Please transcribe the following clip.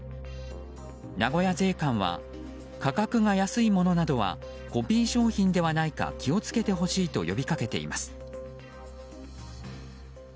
名古屋税関は価格が安いものなどはコピー商品ではないか気を付けてほしいと